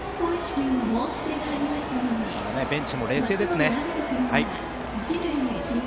ベンチも冷静ですね。